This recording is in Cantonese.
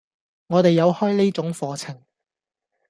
我哋有開呢種課程